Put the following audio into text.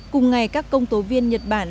cùng ngày các công tố viên nhật bản